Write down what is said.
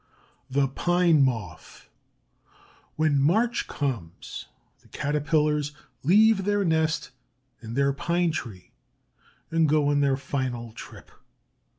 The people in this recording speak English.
THE PINE MOTH When March comes, the Caterpillars leave their nest and their pine tree and go on their final trip.